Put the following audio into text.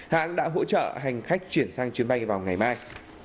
hãng đã hỗ trợ hành khách chuyển sang chuyến bay vào ngày mai